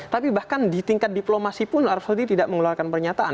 tapi bahkan di tingkat diplomasi pun arab saudi tidak mengeluarkan pernyataan